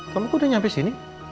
kamu udah nyampe sini